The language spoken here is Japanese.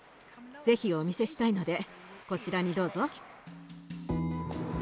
是非お見せしたいのでこちらにどうぞ。